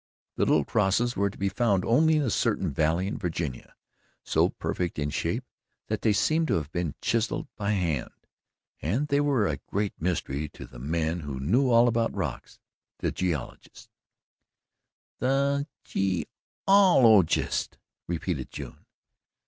The little crosses were to be found only in a certain valley in Virginia, so perfect in shape that they seemed to have been chiselled by hand, and they were a great mystery to the men who knew all about rocks the geologists. "The ge ol o gists," repeated June.